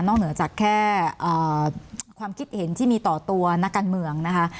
เหนือจากแค่ความคิดเห็นที่มีต่อตัวนักการเมืองนะคะ